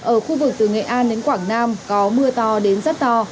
ở khu vực từ nghệ an đến quảng nam có mưa to đến rất to